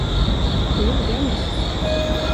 Det gjorde jag nyss.